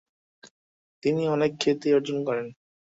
তিনি অনেক খাতি অর্জন করেন।